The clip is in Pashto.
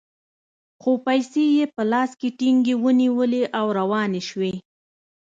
خو پیسې یې په لاس کې ټینګې ونیولې او روانې شوې.